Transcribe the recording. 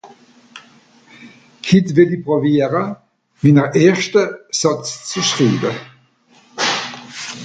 Het well i pràwiara, mina erschta Sàtz zu schriwa.